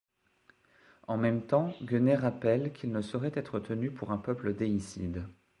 En même temps, Guenée rappelle qu'ils ne sauraient être tenus pour un peuple déicide.